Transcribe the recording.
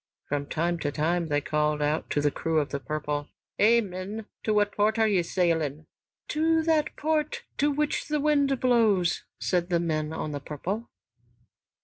From time to time they called out to the crew of "The Purple": "Hei, men, to what port are ye sailing?" "To that port to which wind blows," said the men on "The Purple."